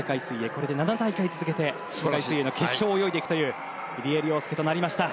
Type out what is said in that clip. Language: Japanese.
これで７大会続けて世界水泳の決勝を泳いでいくという入江になりました。